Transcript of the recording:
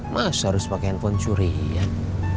masa harus pakai handphone curian